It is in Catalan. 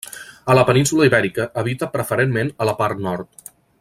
A la península Ibèrica habita preferentment a la part nord.